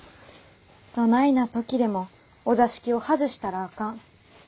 どないな時でもお座敷を外したらあかん。